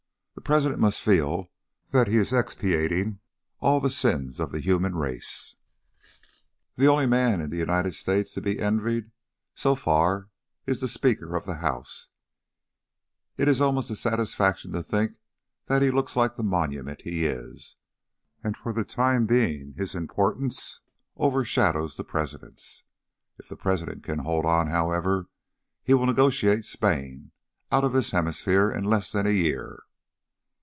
The President must feel that he is expiating all the sins of the human race. The only man in the United States to be envied, so far, is the Speaker of the House; it is almost a satisfaction to think that he looks like the monument he is; and for the time being his importance overshadows the President's. If the President can hold on, however, he will negotiate Spain out of this hemisphere in less than a year."